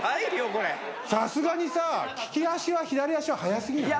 さすがにさ「利き足は左足」ははや過ぎない？